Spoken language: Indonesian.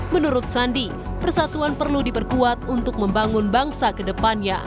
menurut sandi persatuan perlu diperkuat untuk membangun bangsa kedepannya